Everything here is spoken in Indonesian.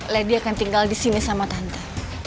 lady akan tinggal di sini sama tante